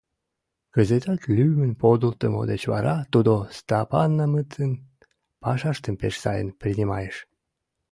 Кызытат, лӱмын подылтымо деч вара, тудо Стапанмытын, пашаштым пеш сайын принимайыш.